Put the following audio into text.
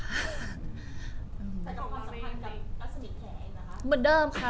แต่กับความสัมพันธ์กับสนิทแขนนะคะ